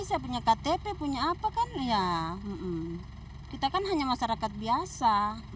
sementara kan kita warga indonesia punya ktp punya apa kan ya kita kan hanya masyarakat biasa